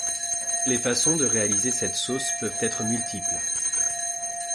Les façons de réaliser cette sauce peuvent être multiples.